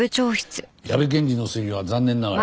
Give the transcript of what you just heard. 矢部検事の推理は残念ながら。